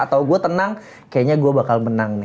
atau gue tenang kayaknya gue bakal menang nih